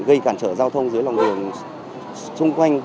gây cản trở giao thông dưới lòng đường xung quanh